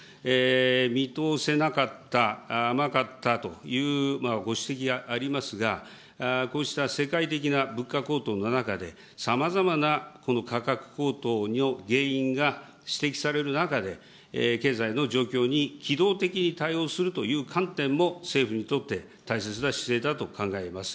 見通せなかった、甘かったというご指摘がありますが、こうした世界的な物価高騰の中で、さまざまなこの価格高騰の原因が指摘される中で、経済の状況に機動的に対応するという観点も、政府にとって大切な姿勢だと考えます。